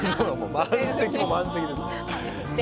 満席も満席です。